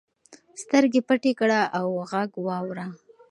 سترګې پټې کړه او غږ واوره.